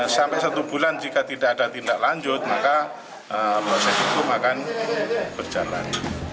sampai satu bulan jika tidak ada tindak lanjut maka proses hukum akan berjalan